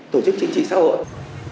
tổ chức chính trị sau đó